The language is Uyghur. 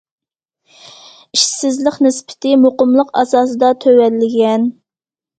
ئىشسىزلىق نىسبىتى مۇقىملىق ئاساسىدا تۆۋەنلىگەن.